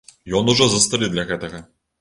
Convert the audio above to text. Ён ужо застары для гэтага.